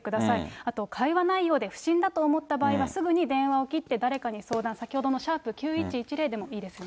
あと会話内容で不審だと思った場合は、すぐに電話を切って、誰かに相談、先ほどの＃９１１０でもいいですよね。